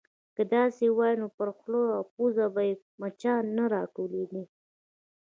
_که داسې وای، نو پر خوله او پزه به يې مچان نه راټولېدای.